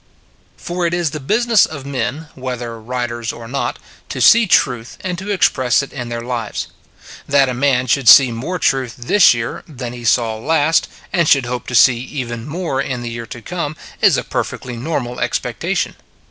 For it is the business of men, whether writers or not, to see truth and to express it in their lives. That a man should see more truth this year than he saw last, and should hope to see even more in the year to come, is a perfectly normal expectation.